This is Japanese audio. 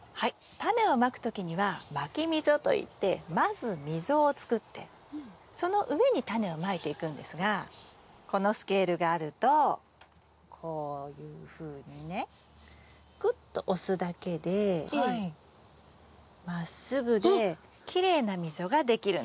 タネをまく時にはまき溝といってまず溝をつくってその上にタネをまいていくんですがこのスケールがあるとこういうふうにねくっと押すだけでまっすぐできれいな溝ができるんです。